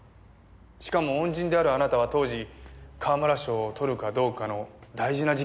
しかも恩人であるあなたは当時川村賞を獲るかどうかの大事な時期だった。